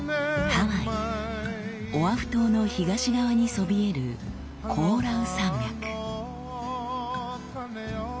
ハワイオアフ島の東側にそびえるコオラウ山脈。